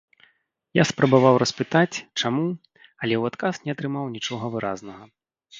Я спрабаваў распытаць, чаму, але ў адказ не атрымаў нічога выразнага.